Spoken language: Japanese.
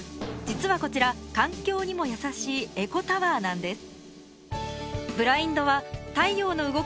実はこちら環境にもやさしいエコタワーなんです